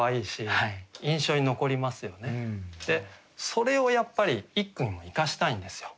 それをやっぱり一句にも生かしたいんですよ。